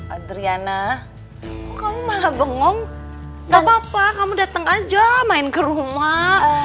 adriana kamu malah bengong gak apa apa kamu datang aja main ke rumah